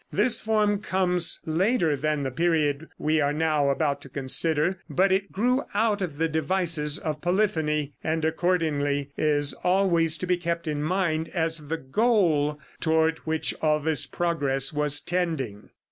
This form comes later than the period we are now about to consider, but it grew out of the devices of polyphony, and accordingly is always to be kept in mind as the goal toward which all this progress was tending.